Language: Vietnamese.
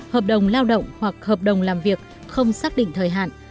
hợp đồng lao động hoặc hợp đồng làm việc không xác định thời hạn